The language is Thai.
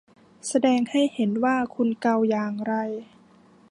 แสดงให้เห็นว่าคุณเกาอย่างไร